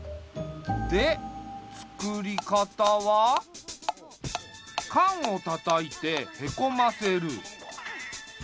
でつくり方は。かんをたたいてへこませる。